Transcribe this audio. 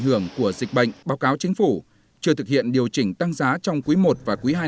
hưởng của dịch bệnh báo cáo chính phủ chưa thực hiện điều chỉnh tăng giá trong quý i và quý ii